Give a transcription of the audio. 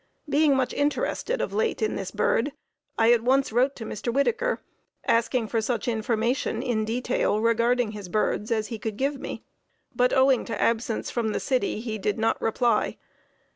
Being much interested of late in this bird, I at once wrote to Mr. Whittaker, asking for such information in detail regarding his birds as he could give me, but, owing to absence from the city, he did not reply.